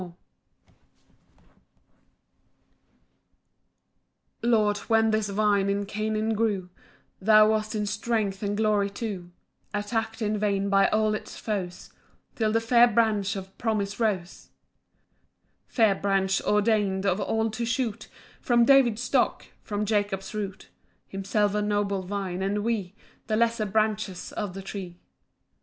PAUSE II. 9 Lord, when this vine in Canaan grew Thou wast its strength and glory too; Attack'd in vain by all its foes, Till the fair Branch of Promise rose; 10 Fair Branch, ordain'd of old to shoot From David's stock, from Jacob's root; Himself a noble vine, and we The lesser branches of the tree.